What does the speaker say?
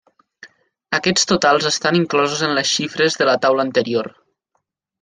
Aquests totals estan inclosos en les xifres de la taula anterior.